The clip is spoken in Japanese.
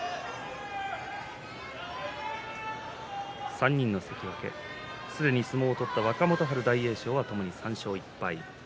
３人の関脇、すでに相撲を取った若元春、大栄翔は３勝１敗です。